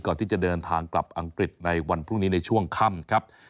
ก่อนที่จะเดินทางกลับอังกฤษในวันพรุ่งนี้ในช่วงค่ำครับ